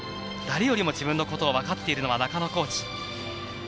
誰よりも自分のことを分かっているのは中野コーチ。